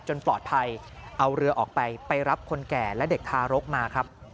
ปลอดภัยเอาเรือออกไปไปรับคนแก่และเด็กทารกมาครับ